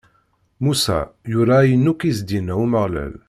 Musa yura ayen akk i s-d-inna Umeɣlal.